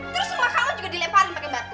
terus rumah kamu juga dilemparin pake batu